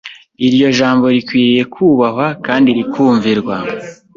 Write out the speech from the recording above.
Iryo jambo rikwiriye kubahwa kandi rikumvirwa.